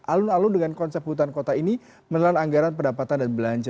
alun alun dengan konsep hutan kota ini menelan anggaran pendapatan dan belanja